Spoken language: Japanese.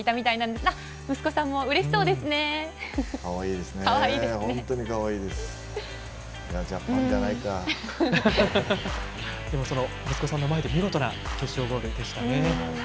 でもその息子さんの前で見事な決勝ゴールでしたね。